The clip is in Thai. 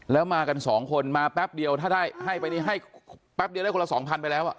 แล้วมากันสองคนมาแป๊บเดียวถ้าได้ให้ไปนี่ให้แป๊บเดียวได้คนละสองพันไปแล้ว